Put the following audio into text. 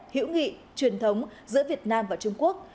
hữu nghị truyền thống giữa việt nam và trung quốc